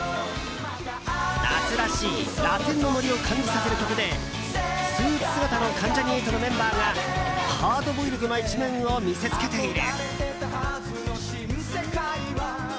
夏らしいラテンのノリを感じさせる曲でスーツ姿の関ジャニ∞のメンバーがハードボイルドな一面を見せつけている。